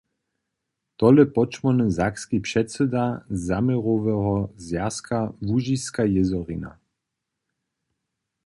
Tole podšmórny sakski předsyda zaměroweho zwjazka Łužiska jězorina.